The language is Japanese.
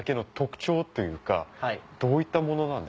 どういったものなんですかね？